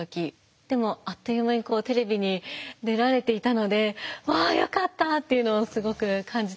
でもあっという間にテレビに出られていたので「わよかった」っていうのをすごく感じたのを覚えています。